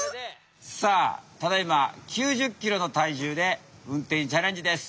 さあただいま９０ｋｇの体重でうんていにチャレンジです。